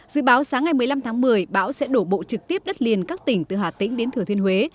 dự báo sáng ngày một mươi năm tháng một mươi bão sẽ đổ bộ trực tiếp đất liền các tỉnh từ hà tĩnh đến thừa thiên huế